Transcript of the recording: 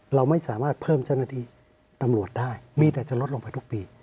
เราไม่สามารถเพิ่มเจ้าหน้าที่ตำรวจได้มีแต่จะลดลงไปทุกปี